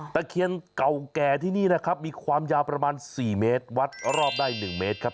ตะเคียนเก่าแก่ที่นี่นะครับมีความยาวประมาณ๔เมตรวัดรอบได้๑เมตรครับ